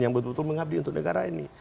yang betul betul mengabdi untuk negara ini